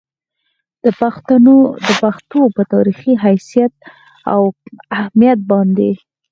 د پښتو پۀ تاريخي حېثيت او اهميت باندې